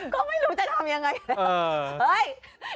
ก็ไม่รู้จะทำยังไง